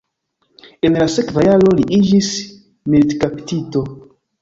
En la sekva jaro li iĝis militkaptito.